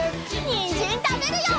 にんじんたべるよ！